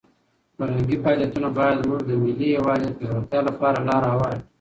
فرهنګي فعالیتونه باید زموږ د ملي یووالي د پیاوړتیا لپاره لاره هواره کړي.